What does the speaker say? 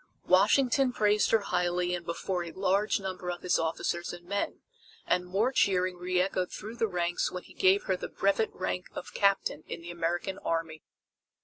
Washington praised her highly and before a large number of his officers and men, and more cheering reechoed through the ranks when he gave her the brevet rank of Captain in the American Army.